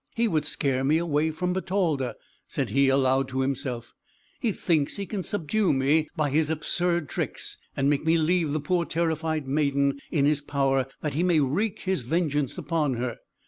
"He would scare me away from Bertalda," said he aloud to himself; "he thinks he can subdue me by his absurd tricks, and make me leave the poor terrified maiden in his power, that he may wreak his vengeance upon her.